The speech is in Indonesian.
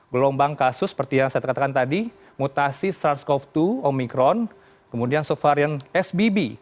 gelombang kasus seperti yang saya katakan tadi mutasi sars cov dua omikron kemudian subvarian sbb